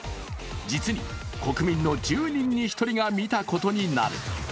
実に国民の１０人に１人が見たことになる。